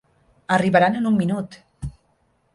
Arribaran en un minut!